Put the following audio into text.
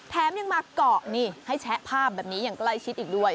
แถมยังมาเกาะนี่ให้แชะภาพแบบนี้อย่างใกล้ชิดอีกด้วย